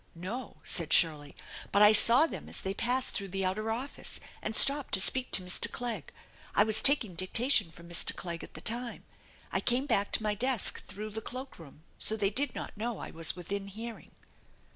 " No/' said Shirley. " But I saw them as they passed through the outer office, and stopped to speak to Mr. Clegg. I was taking dictation from Mr. Clegg at the time. I came back to my desk through the cloak room, so they did not know I was within hearing."